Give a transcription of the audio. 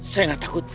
saya enggak takut